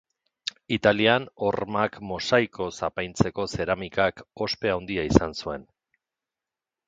Italian hormak mosaikoz apaintzeko zeramikak ospe handia izan zuen